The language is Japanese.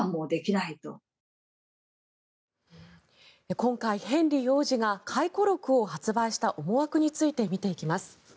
今回、ヘンリー王子が回顧録を発売した思惑について見ていきます。